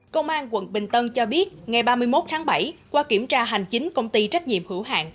công an quận bình tân cho biết ngày ba mươi một tháng bảy qua kiểm tra hành chính công ty trách nhiệm hữu hạng